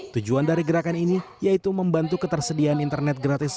tujuan dari gerakan ini yaitu membantu ketersediaan internet gratis